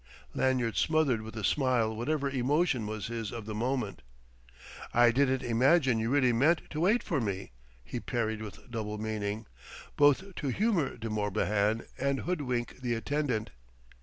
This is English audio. Lanyard smothered with a smile whatever emotion was his of the moment. "I didn't imagine you really meant to wait for me," he parried with double meaning, both to humour De Morbihan and hoodwink the attendant.